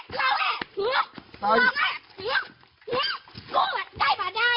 ช่วก่อนตามเลี้ยที่เดียวตามมาแหละ